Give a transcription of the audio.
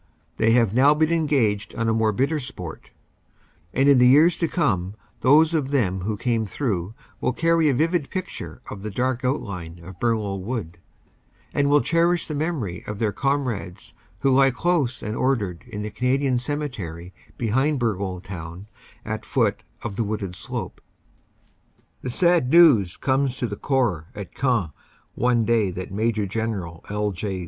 They have now been engaged on more bitter sport, and in the years to come those of them who came through will carry a vivid picture of the dark outline of Bourlon Wood, and will cherish the memory of their com rades who lie close and ordered in the Canadian cemetery behind Bourlon town at foot of the wooded slope. * The sad news comes to the Corps at Queant one day that Major General L. J.